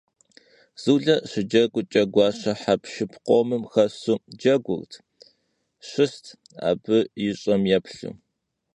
Zule şıceguç'e, guaşe hepşşıp khomım xesu cedur şıst, abı yiş'em yêplhu.